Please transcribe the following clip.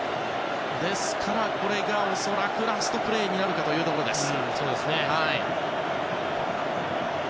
ですから、これが恐らくラストプレーになるかというところです。